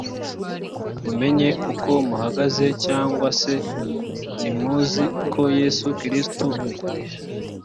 mumenye uko muhagaze cyangwa se ntimuzi ko yesu kristo